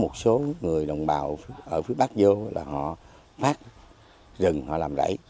một số người đồng bào ở phía bắc vô là họ phát rừng họ làm rẫy